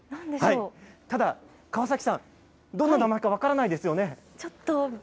ただ、川崎さん、どんな名前か分からないですよね？